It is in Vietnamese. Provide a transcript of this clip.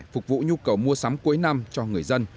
phục vụ nhu cầu mua sắm cuối năm cho người dân